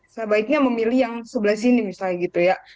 sebaiknya memilih yang sebelah sini misalnya gitu ya